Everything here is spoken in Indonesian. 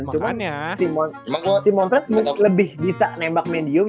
cuman si montret lebih bisa nembak medium